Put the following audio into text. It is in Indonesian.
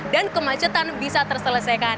dan kemacetan bisa terselesaikan